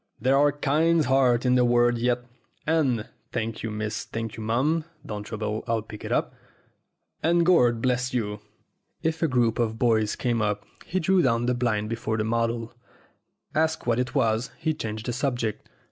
There are kind hearts in the world yet, and thank you, miss ; thank you, mum (don't trouble I'll pick it up) and Gord bless you!" If a group of boys came up, he drew down the blind A MODEL MAN 27 before the model. Asked what it was, he changed the subject.